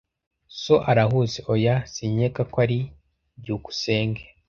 "So arahuze?" "Oya, sinkeka ko ari." byukusenge